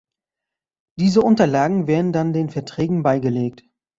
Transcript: Diese Unterlagen werden dann den Verträgen beigelegt.